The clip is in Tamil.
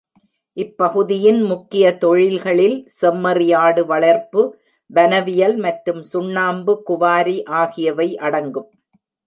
இப்பகுதியின் முக்கிய தொழில்களில் செம்மறி ஆடு வளர்ப்பு, வனவியல் மற்றும் சுண்ணாம்பு குவாரி ஆகியவை அடங்கும்.